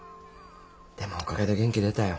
でもおかげで元気出たよ。